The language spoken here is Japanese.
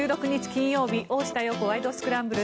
金曜日「大下容子ワイド！スクランブル」。